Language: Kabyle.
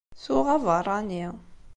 Tuɣ abeṛṛani.